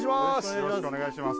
よろしくお願いします